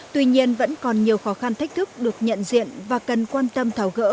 tuy nhiên vẫn còn nhiều khó khăn thách thức được nhận diện và cần quan tâm thảo gỡ